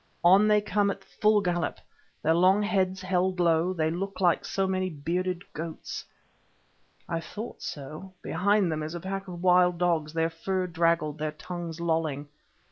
On they come at full gallop, their long heads held low, they look like so many bearded goats. I thought so—behind them is a pack of wild dogs, their fur draggled, their tongues lolling.